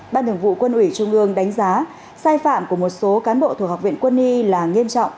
ban thường vụ quân ủy trung ương đánh giá sai phạm của một số cán bộ thuộc học viện quân y là nghiêm trọng